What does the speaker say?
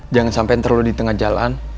jangan sampai ntar lo di tengah jalan